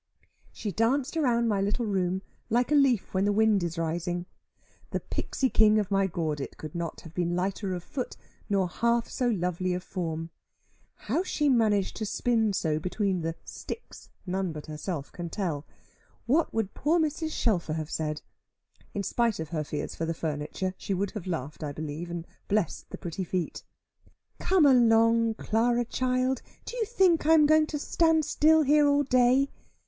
She danced round my little room, like a leaf when the wind is rising. The Pixie king of my gordit could not have been lighter of foot, nor half so lovely of form. How she managed to spin so between the "sticks," none but herself can tell. What would poor Mrs. Shelfer have said? In spite of her fears for the furniture, she would have laughed, I believe, and blessed the pretty feet. "Come along, Clara child. Do you think I am going to stand still here all day?"